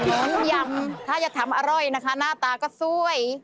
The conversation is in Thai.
ต้มยำถ้าจะทำอร่อยนะคะหน้าตาก็สวย